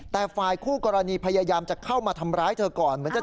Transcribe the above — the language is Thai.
แต่ฝ่ายกูกรณีพยายามจะเข้ามาทำร้ายเธอก่อน